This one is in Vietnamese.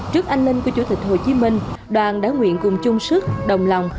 trước anh linh của chủ tịch hồ chí minh đoàn đã nguyện cùng chung sức đồng lòng